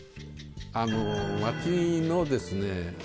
あの街のですね